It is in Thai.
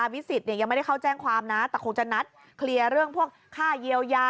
วิสิตยังไม่ได้เข้าแจ้งความนะแต่คงจะนัดเคลียร์เรื่องพวกค่าเยียวยา